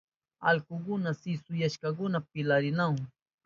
Allkukuna sisuyashpankuna pilarinahun.